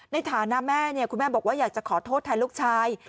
ในฐานะแม่คุณแม่บอกว่าอยากจะขอโทษแทนลูกชาย